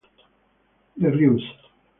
The Ruse